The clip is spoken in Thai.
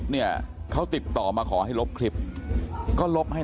เอามีทำท่าให้ดูใช่ไหม